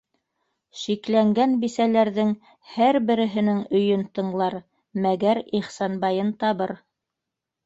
Шикләнгән бисәләрҙең һәр береһенең өйөн тыңлар, мәгәр Ихсанбайын табыр.